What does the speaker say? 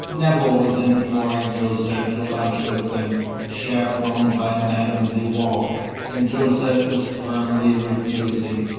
Nevill was imploring Josette to lunch with them, chaperoned by Madame de Vaux, and Josette was firmly refusing.